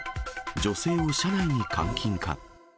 女性を車内に監禁か。